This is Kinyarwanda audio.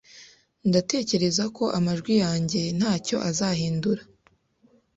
Ndatekereza ko amajwi yanjye ntacyo azahindura.